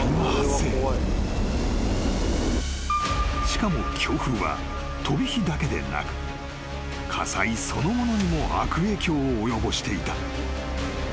［しかも強風は飛び火だけでなく火災そのものにも悪影響を及ぼしていた］